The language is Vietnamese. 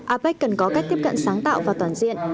apec cần có cách tiếp cận sáng tạo và toàn diện